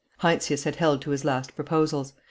Heinsius had held to his last proposals.